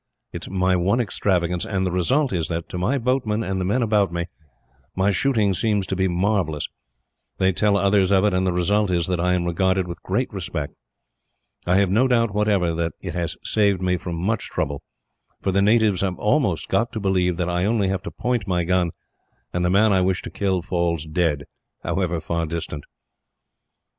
It is my one extravagance, and the result is that, to my boatmen and the men about me, my shooting seems to be marvellous; they tell others of it, and the result is that I am regarded with great respect. I have no doubt, whatever, that it has saved me from much trouble; for the natives have almost got to believe that I only have to point my gun, and the man I wish to kill falls dead, however far distant."